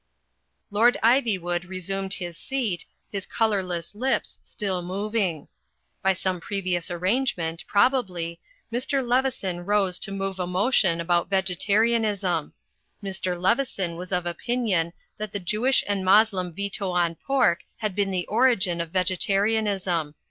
Lord Ivywood resinned his seat, his colourless lips still moving. By some previous arrangement, prob ably, Mr. Leveson rose to move a motion about Vege tarianism. Mr. Leveson was of opinion that the Jew ish and Moslem veto on pork had been the origin of Vegetarianism.